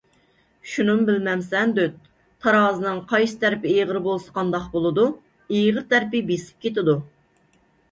_ شۇنىمۇ بىلمەمسەن دۆت، تارازىنىڭ قايسى تەرىپى ئېغىر بولسا قانداق بولىدۇ؟ _ ئېغىر تەرىپى بېسىپ كېتىدۇ.